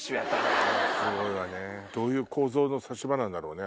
どういう構造の差し歯なんだろうね？